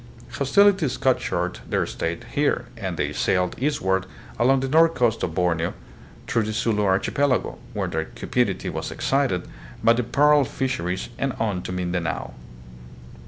Hostilities cut short their stay here and they sailed eastward along the north coast of Borneo through the Sulu Archipelago, where their cupidity was excited by the pearl fisheries, and on to Mindanao.